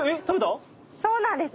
そうなんです。